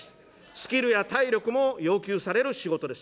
スキルや体力も要求される仕事です。